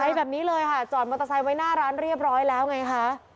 แบบนี้เลยค่ะจอดมอเตอร์ไซค์ไว้หน้าร้านเรียบร้อยแล้วไงคะ